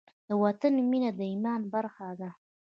د وطن مینه د ایمان برخه ده.